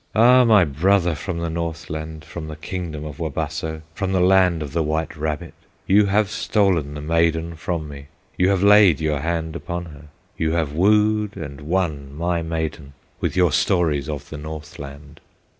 "Ah! my brother from the North land, From the kingdom of Wabasso, From the land of the White Rabbit! You have stolen the maiden from me, You have laid your hand upon her, You have wooed and won my maiden, With your stories of the North land!"